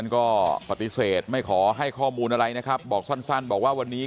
ก็ปฏิเสธไม่ขอให้ข้อมูลอะไรนะครับบอกสั้นบอกว่าวันนี้